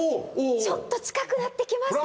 ちょっと近くなってきました。